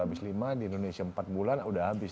habis lima di indonesia empat bulan udah habis